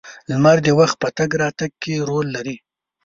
• لمر د وخت په تګ راتګ کې رول لري.